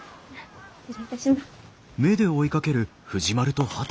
失礼いたします。